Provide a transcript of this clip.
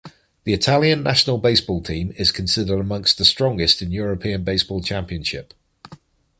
The Italian national baseball team is considered amongst the strongest in European Baseball Championship.